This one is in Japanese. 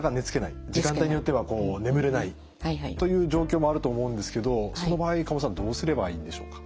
時間帯によっては眠れないという状況もあると思うんですけどその場合加茂さんどうすればいいんでしょうか？